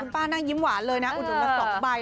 ป้านั่งยิ้มหวานเลยนะอุดหนุนละ๒ใบ